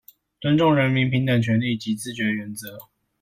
尊重人民平等權利及自決原則